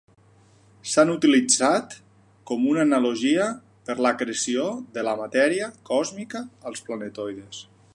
S'han utilitzat com una analogia per l'acreció de la matèria còsmica als planetoides.